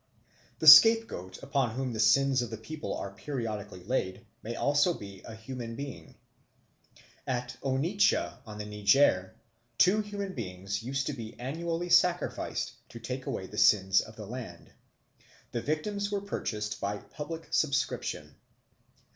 The scapegoat upon whom the sins of the people are periodically laid, may also be a human being. At Onitsha, on the Niger, two human beings used to be annually sacrificed to take away the sins of the land. The victims were purchased by public subscription.